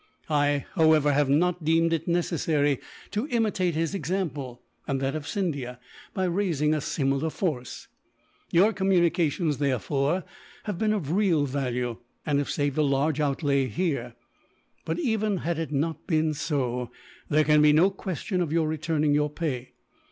I, however, have not deemed it necessary to imitate his example, and that of Scindia, by raising a similar force. Your communications, therefore, have been of real value, and have saved a large outlay here; but even had it not been so, there can be no question of your returning your pay.